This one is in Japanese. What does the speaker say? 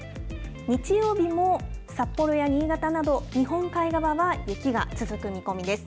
日曜日も札幌や新潟など、日本海側は雪が続く見込みです。